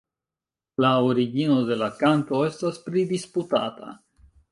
La origino de la kanto estas pridisputata.